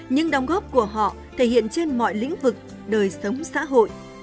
những đóng góp của họ thể hiện trên mọi lĩnh vực đời sống xã hội